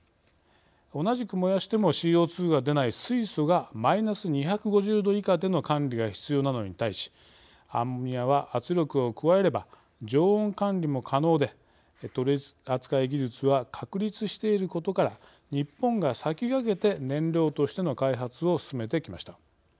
同じく燃やしてもＣＯ２が出ない水素がマイナス２５０度以下での管理が必要なのに対しアンモニアは圧力を加えれば常温管理も可能で取り扱い技術は確立していることから日本が先駆けて燃料としての開発を進めてきました。